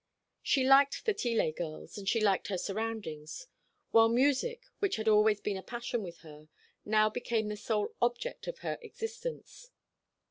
She liked the Tillet girls, and she liked her surroundings; while music, which had always been a passion with her, now became the sole object of her existence.